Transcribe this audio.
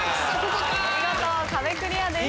見事壁クリアです。